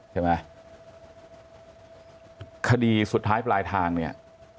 ใช่ไหมคดีสุดท้ายปลายทางเนี่ย